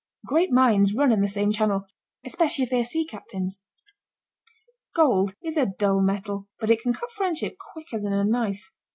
Great minds run in the same channel especially if they are sea captains. Gold is a dull metal, but it can cut friendship quicker than a knife.